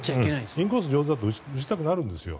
インコース上手だと打ちたくなるんですよ。